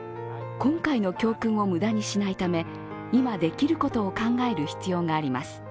今回の教訓を無駄にしないため今できることを考える必要があります。